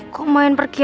gue mau ke rumah nih